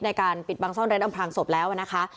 ในการปิดบังซ่อนเร้นอำพลางศพแล้วนะคะ